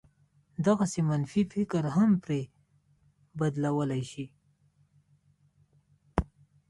دغسې منفي فکر هم پرې بدلولای شي.